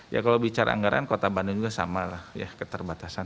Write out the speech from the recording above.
ya kalau bicara anggaran kota bandung juga sama lah ya keterbatasan